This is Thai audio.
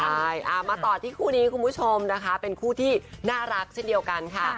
ใช่มาต่อที่คู่นี้คุณผู้ชมนะคะเป็นคู่ที่น่ารักเช่นเดียวกันค่ะ